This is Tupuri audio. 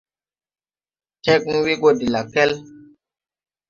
Tẽgn we gɔ de lakɛl,